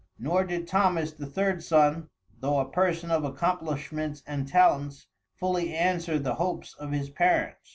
Nor did Thomas, the third son, though a person of accomplishments and talents, fully answer the hopes of his parents.